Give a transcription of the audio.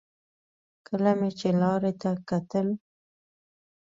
کله مې چې لارې ته کتل.